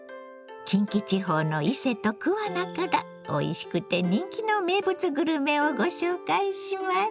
近畿地方の伊勢と桑名からおいしくて人気の名物グルメをご紹介します。